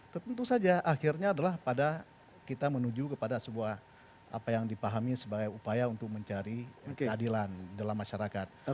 tentu saja akhirnya adalah pada kita menuju kepada sebuah apa yang dipahami sebagai upaya untuk mencari keadilan dalam masyarakat